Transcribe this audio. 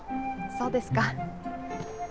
そうですか。